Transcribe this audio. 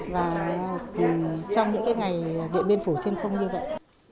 và trong những cái ngày địa biên phủ trên không như vậy